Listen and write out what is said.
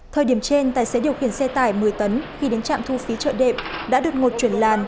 thời điểm trên tài xế điều khiển xe tải một mươi tấn khi đến trạm thu phí chợ đệm đã đột ngột chuyển làn